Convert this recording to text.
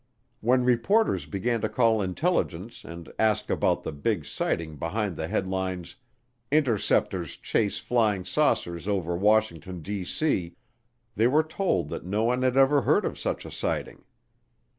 When reporters began to call intelligence and ask about the big sighting behind the headlines, INTERCEPTORS CHASE FLYING SAUCERS OVER WASHINGTON, D.C., they were told that no one had ever heard of such a sighting.